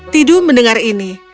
tidu mendengar ini